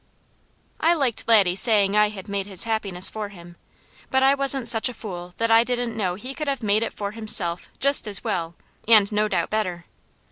I liked Laddie saying I had made his happiness for him; but I wasn't such a fool that I didn't know he could have made it for himself just as well, and no doubt better.